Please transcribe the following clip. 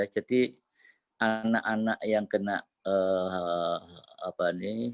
jadi anak anak yang kena covid sembilan belas mereka harus berhati hati